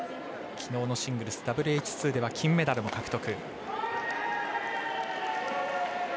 きのうのシングルス、ＷＨ２では金メダルを獲得。